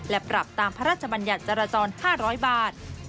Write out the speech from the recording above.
และปรับตามพระราชบัญญัติจราจร๕๐๐บาท